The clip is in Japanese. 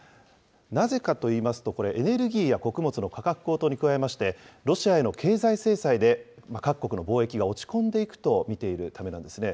なぜかといいますとこれ、エネルギーや穀物の価格高騰に加えまして、ロシアへの経済制裁で、各国の貿易が落ち込んでいくと見ているためなんですね。